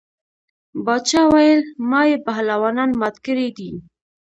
باچا ویل ما یې پهلوانان مات کړي دي.